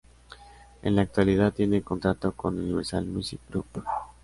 En la actualidad tiene contrato con Universal Music Group.